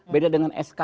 beda dengan sk